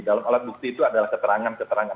dalam alat bukti itu adalah keterangan keterangan